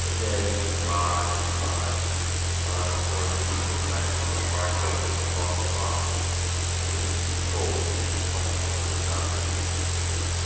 The day was dry and fine, but, of course, we were wet from the hard going across the bog, and it was too cold to be comfortable when not moving.